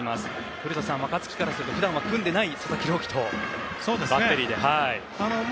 古田さん、若月からすると普段は組んでいない佐々木朗希とバッテリーで。